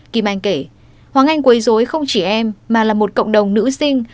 kim anh kể hoàng anh quấy dối không chỉ em mà là một cộng đồng nữ sinh